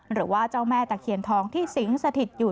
หรือว่าเจ้าแม่ตะเคียนทองที่สิงสถิตอยู่